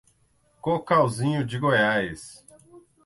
Cocalzinho de Goiás